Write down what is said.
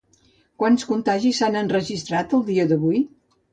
Quants contagis s'han enregistrat el dia d'avui?